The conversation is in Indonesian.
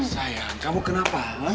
sayang kamu kenapa